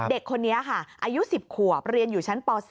เด็กคนนี้ค่ะอายุ๑๐ขวบเรียนอยู่ชั้นป๔